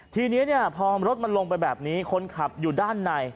ทีนี้พอรถมันลงไปแบบนี้คนขับอยู่ด้านใน